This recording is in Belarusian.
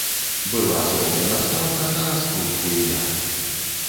Была зроблена стаўка на раскрутку імя.